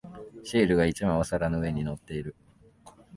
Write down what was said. シールが一枚お皿の上に乗っている。